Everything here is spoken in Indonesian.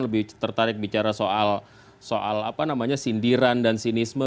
lebih tertarik bicara soal sindiran dan sinisme